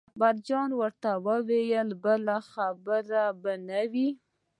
اکبر جان ورته وویل بله خبره به نه وي.